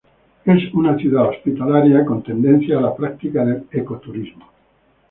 Es una ciudad hospitalaria, con tendencia a la práctica del ecoturismo.